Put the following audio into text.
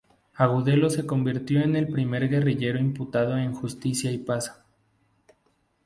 Agudelo se convirtió en el primer guerrillero imputado en Justicia y Paz.